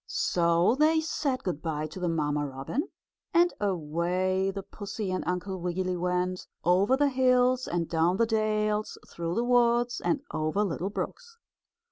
So they said good by to the mamma robin, and away the pussy and Uncle Wiggily went, over the hills and down the dales through the woods and over little brooks.